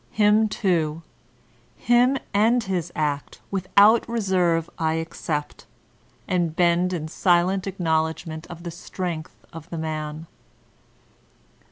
Him too, him and his act, without re serve I accept, and bend m silent acknowledgement of the strength of the man.